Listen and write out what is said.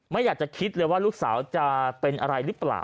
ไม่อยากจะคิดเลยว่าลูกสาวจะเป็นอะไรหรือเปล่า